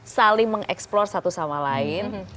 saling mengeksplor satu sama lain